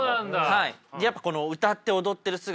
はい。